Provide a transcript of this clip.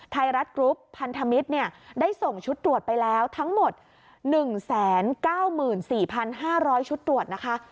ไทยรัฐกรุ๊ปพันธมิตรได้ส่งชุดตรวจไปแล้วทั้งหมด๑๙๔๕๐๐ชุดตรวจนะคะ